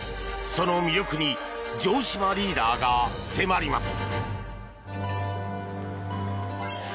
その魅力に城島リーダーが迫ります。